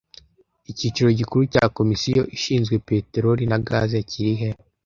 Icyicaro gikuru cya komisiyo ishinzwe peteroli na gazi kirihe